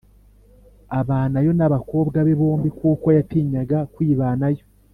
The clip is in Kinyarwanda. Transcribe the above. abanayo n abakobwa be bombi kuko yatinyaga kwibanayo